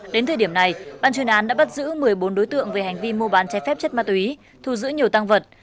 đến thời điểm này ban chuyên án đã bắt giữ một mươi bốn đối tượng về hành vi mua bán trái phép chất ma túy thu giữ nhiều tăng vật